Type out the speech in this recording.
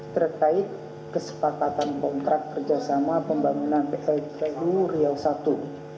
terkait kesepakatan kontrak kerja sama pembangunan pltu riau i